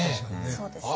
そうですね。